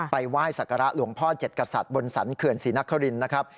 ไหว้สักการะหลวงพ่อเจ็ดกษัตริย์บนสรรเขื่อนศรีนครินนะครับ